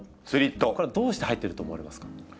これはどうして入ってると思われますか？